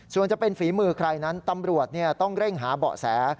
ส่วนจะเป็นฝีมือใครนั้นตำรวจต้องเร่งหาเบาะแส